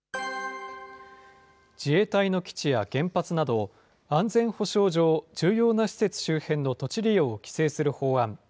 自衛隊の基地や原発など、安全保障上、重要な施設周辺の土地利用を規制する法案。